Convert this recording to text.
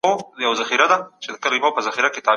شکنجه د هیڅ دلیل پر بنسټ نسي توجیه کیدای.